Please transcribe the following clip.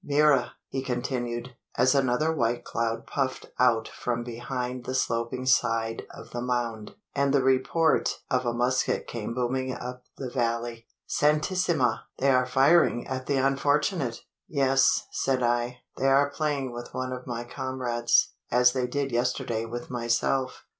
Mira!" he continued, as another white cloud puffed out from behind the sloping side of the mound, and the report of a musket came booming up the valley, "Santissima! they are firing at the unfortunate!" "Yes," said I; "they are playing with one of my comrades, as they did yesterday with myself."